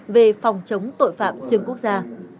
về phòng chống tội phạm xương quốc gia